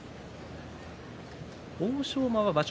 欧勝馬は場所